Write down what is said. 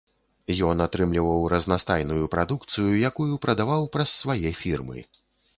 Ён атрымліваў разнастайную прадукцыю, якую прадаваў праз свае фірмы.